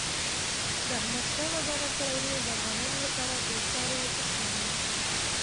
د احمد شاه بابا لاسته راوړني د افغانانو لپاره بېساری ارزښت لري.